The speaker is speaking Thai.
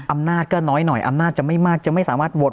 อำนาจก็น้อยหน่อยอำนาจจะไม่มากจะไม่สามารถโหวต